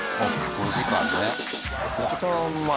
５時間前。